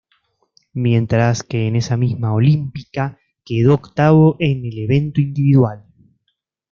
Mientras que en esa misma olímpica quedó octavo en el evento individual.